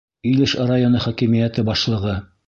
Илеш районы хакимиәте башлығы: